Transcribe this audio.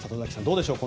どうでしょう